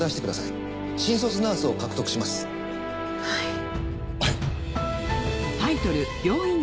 はい。